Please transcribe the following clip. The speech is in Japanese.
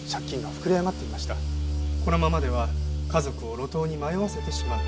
このままでは家族を路頭に迷わせてしまう。